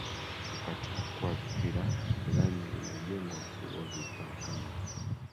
kukataa kuwa piranha inajengwa kuua vifaa kama